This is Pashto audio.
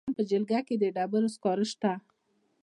د بغلان په جلګه کې د ډبرو سکاره شته.